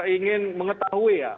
ingin mengetahui ya